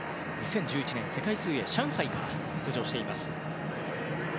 ２０１１年、世界水泳上海から出場しています。